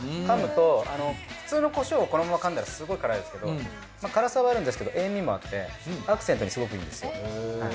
かむと普通のこしょうをこのままかんだらすごい辛いですけど辛さはあるんですけど塩味もあってアクセントにすごくいいんですよ。